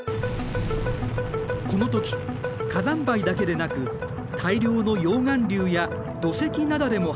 この時火山灰だけでなく大量の溶岩流や土石なだれも発生。